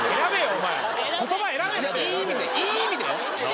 お前言葉選べっていやいい意味でいい意味でよ